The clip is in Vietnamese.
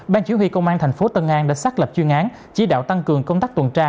ban chỉ huy công an thành phố tân an đã xác lập chuyên án chỉ đạo tăng cường công tác tuần tra